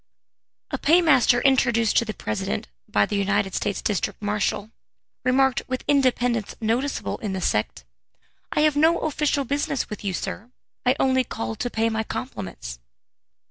A paymaster introduced to the President by the United States district marshal, remarked with independence noticeable in the sect: "I have no official business with you, sir I only called to pay my compliments!"